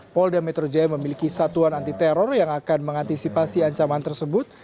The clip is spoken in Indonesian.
polda metro jaya memiliki satuan anti teror yang akan mengantisipasi ancaman tersebut